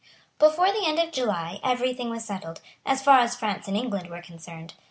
Before the end of July every thing was settled, as far as France and England were concerned.